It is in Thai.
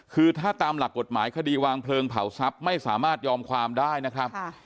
คือถ้าตามหลักกฎหมายคดีวางเพลิงเผาทรัพย์ไม่สามารถยอมความได้นะครับ